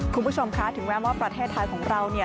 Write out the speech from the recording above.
คุณผู้ชมคะถึงแม้ว่าประเทศไทยของเราเนี่ย